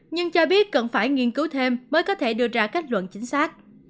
nhưng cho biết cần phải nghiên cứu thêm mới có thể đưa ra kết luận chính xác